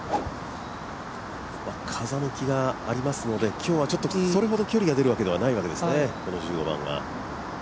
風向きがありますので、今日はそれほど１５番は距離が出るわけではないわけですね。